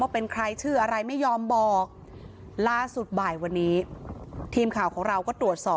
เป็นใครชื่ออะไรไม่ยอมบอกล่าสุดบ่ายวันนี้ทีมข่าวของเราก็ตรวจสอบ